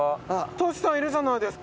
トシさんいるじゃないですか。